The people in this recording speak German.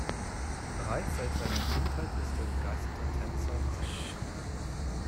Bereits seit seiner Kindheit ist er begeisterter Tänzer und Sänger.